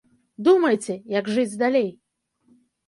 Думайце, як жыць далей.